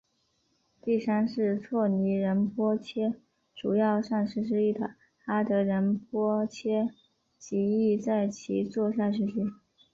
第三世措尼仁波切主要上师之一的阿德仁波切及亦在其座下学习。